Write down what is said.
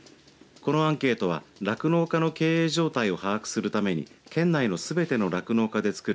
このアンケートは酪農家の経営状態を把握するために県内のすべての酪農家でつくる